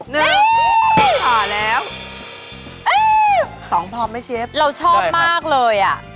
นี่ทำป่ะแล้ว